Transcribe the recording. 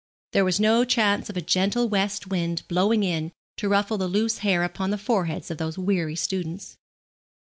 There was no chance of a gentle west wind blowing in to ruffle the loose hair upon the foreheads of those weary students.